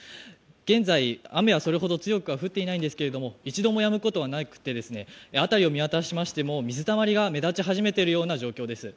現在、雨はそれほど強くは降っていないんですけれど一度もやむことはなく、辺りを見渡しても水たまりが目立ち始めているような状況です。